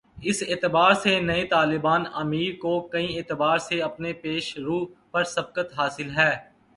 اس اعتبار سے نئے طالبان امیر کو کئی اعتبار سے اپنے پیش رو پر سبقت حاصل ہے۔